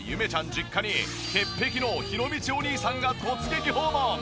実家に潔癖のひろみちお兄さんが突撃訪問。